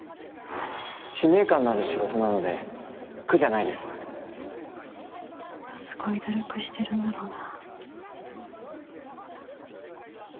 使命感のある仕事なので苦じゃないですきっとすごい努力してるんだろうな。